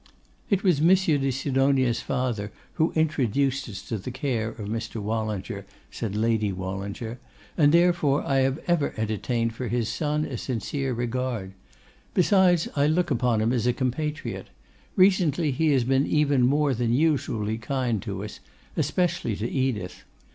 'It was Monsieur de Sidonia's father who introduced us to the care of Mr. Wallinger,' said Lady Wallinger, 'and therefore I have ever entertained for his son a sincere regard. Besides, I look upon him as a compatriot. Recently he has been even more than usually kind to us, especially to Edith.